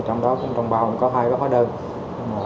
trong bao cũng có hai góc hóa đơn